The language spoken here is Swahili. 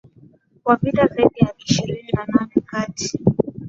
wa vita Zaidi ya ishirini na nane kati